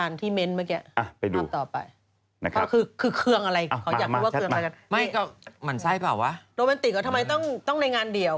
โรแมนติกก็ทำไมต้องในงานเดียว